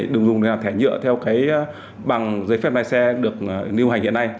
đừng dùng để làm thẻ nhựa theo cái bằng giấy phép lái xe được nêu hành hiện nay